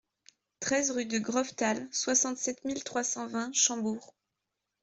treize rue de Graufthal, soixante-sept mille trois cent vingt Schœnbourg